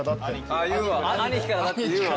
アニキからだって言うわ。